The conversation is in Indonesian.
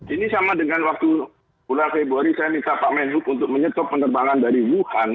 ini sama dengan waktu bulan februari saya minta pak menhub untuk menyetop penerbangan dari wuhan